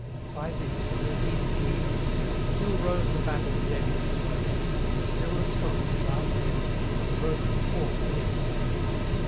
By this, though deep the evening fell, Still rose the battle's deadly swell, For still the Scots, around their King, 995 Unbroken, fought in desperate ring.